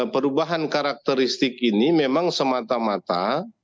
perubahan karakteristik ini memang semata mata